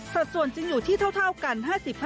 สัดส่วนจึงอยู่ที่เท่ากัน๕๕